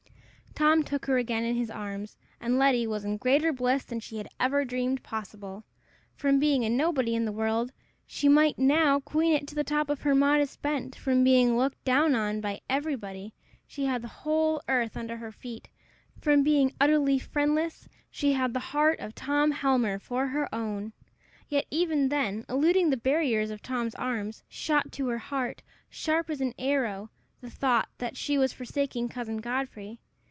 Tom took her again in his arms, and Letty was in greater bliss than she had ever dreamed possible. From being a nobody in the world, she might now queen it to the top of her modest bent; from being looked down on by everybody, she had the whole earth under her feet; from being utterly friendless, she had the heart of Tom Helmer for her own! Yet even then, eluding the barriers of Tom's arms, shot to her heart, sharp as an arrow, the thought that she was forsaking Cousin Godfrey.